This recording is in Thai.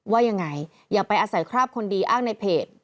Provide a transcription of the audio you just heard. ว่ายังไงอย่าไปอาศัยคราบคนดีอ้างในเพจ